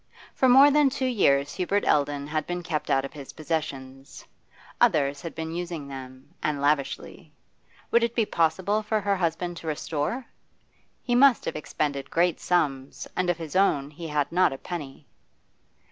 For more than two years Hubert Eldon had been kept out of his possessions; others had been using them, and lavishly. Would it be possible for her husband to restore? He must have expended great sums, and of his own he had not a penny.